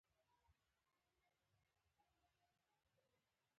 د اقتصاد ودې ته نوښت ضروري دی.